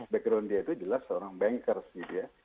background dia itu jelas seorang banker sih dia